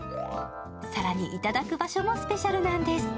更にいただく場所もスペシャルなんです。